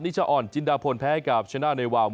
นิชะอ่อนจิณดะพลแพ้ให้กับชนะแนว่าว